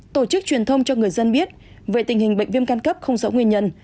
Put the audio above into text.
tổ chức truyền thông cho người dân biết về tình hình bệnh viêm căn cấp không rõ nguyên nhân